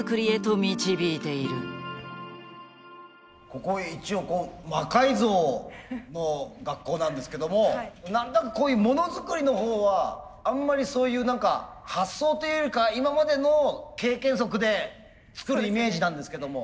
ここ一応魔改造の学校なんですけども何となくこういうものづくりのほうはあんまりそういう何か発想というよりか今までの経験則で作るイメージなんですけども。